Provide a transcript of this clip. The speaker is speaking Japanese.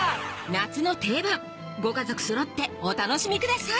夏の定番ご家族そろってお楽しみください